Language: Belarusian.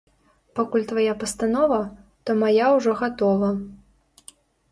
Пакуль твая пастанова, то мая ўжо гатова.